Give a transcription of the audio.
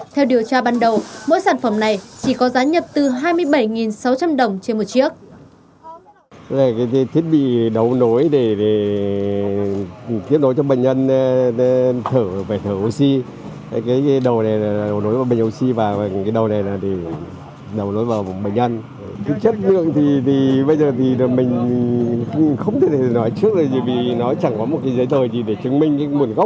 theo điều tra ban đầu mỗi sản phẩm này chỉ có giá nhập từ hai mươi bảy sáu trăm linh đồng trên một chiếc